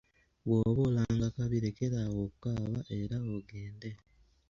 Bw’oba olanga kabi lekeraawo okukaaba era ogende.